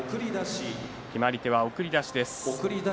決まり手は送り出しです。